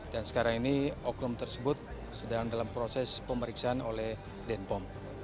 dan sekarang ini oknum tersebut sedang dalam proses pemeriksaan oleh denpom